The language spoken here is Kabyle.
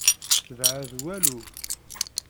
Tebɛed walu.